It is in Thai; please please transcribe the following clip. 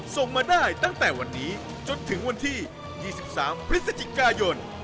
ส่งมาได้ตั้งแต่วันนี้จนถึงวันที่๒๓พฤศจิกายน